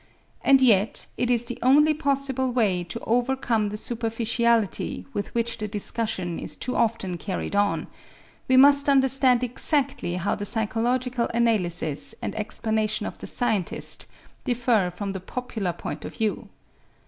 And yet it is the only possible way to overcome the superficiality with which the discussion is too often carried on; we must understand exactly how the psychological analysis and explanation of the scientist differ from the popular point of view.